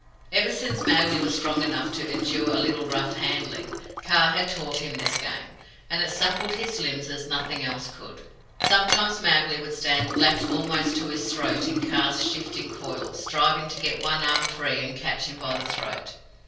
Ever since Mowgli was strong enough to endure a little rough handling, Kaa had taught him this game, and it suppled his limbs as nothing else could. Sometimes Mowgli would stand lapped almost to his throat in Kaa's shifting coils, striving to get one arm free and catch him by the throat.